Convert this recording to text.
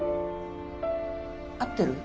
合ってる？